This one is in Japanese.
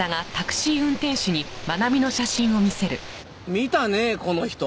見たねこの人。